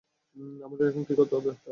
আমাদের এখন কী করতে হবে তাহলে?